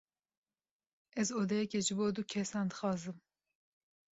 Ez odeyeke ji bo du kesan dixwazim.